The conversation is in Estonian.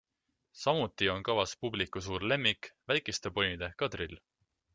Samuti on kavas publiku suur lemmik, väikeste ponide kadrill.